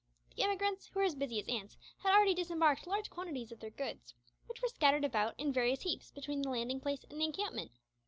The emigrants, who were busy as ants, had already disembarked large quantities of their goods, which were scattered about in various heaps between the landing place and the encampment.